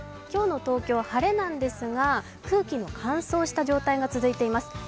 今日の東京は晴れなんですが、空気の乾燥した状態が続いています。